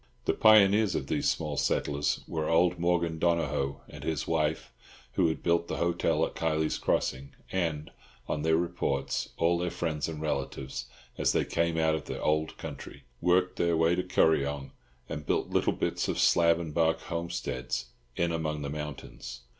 The pioneers of these small settlers were old Morgan Donohoe and his wife, who had built the hotel at Kiley's Crossing; and, on their reports, all their friends and relatives, as they came out of the "ould country," worked their way to Kuryong, and built little bits of slab and bark homesteads in among the mountains.